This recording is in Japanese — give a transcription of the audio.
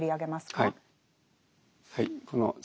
はい。